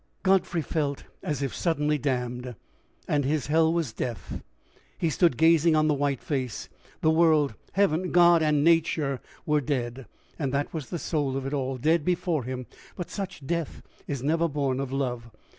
Godfrey felt as if suddenly damned; and his hell was death. He stood gazing on the white face. The world, heaven, God, and nature were dead, and that was the soul of it all, dead before him! But such death is never born of love.